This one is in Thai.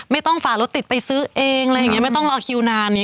ไม่ต้องฝ่ารถติดไปซื้อเองไม่ต้องรอคิวนาน